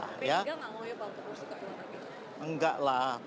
harus bersedia bang kursi ketua mpr